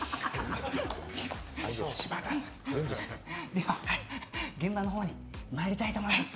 では現場の方にまいりたいと思います。